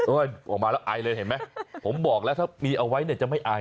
ออกมาแล้วไอเลยเห็นไหมผมบอกแล้วถ้ามีเอาไว้เนี่ยจะไม่ไอ